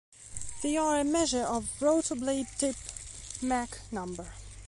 They are a measure of rotor blade tip Mach number.